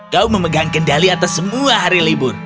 kau memegang kendali atas semua hari libur